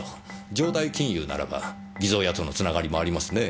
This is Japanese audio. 城代金融ならば偽造屋とのつながりもありますねぇ。